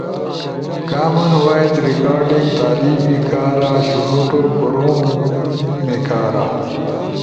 کامن وائس ریکارڈنگ تعلیم کارا، شنوٹو کوروم کارا،